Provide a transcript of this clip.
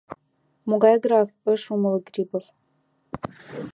— Могай граф? — ыш умыло Грибов.